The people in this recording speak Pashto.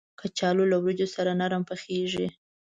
کچالو له وریجو سره نرم پخېږي